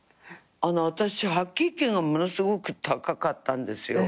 あの私白血球がものすごく高かったんですよ。